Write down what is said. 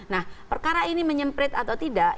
nah perkara ini menyemprit atau tidak